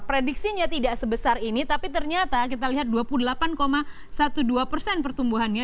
prediksinya tidak sebesar ini tapi ternyata kita lihat dua puluh delapan dua belas persen pertumbuhannya